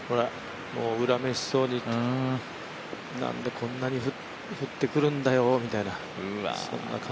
恨めしそうに、何でこんなに降ってくるんだよみたい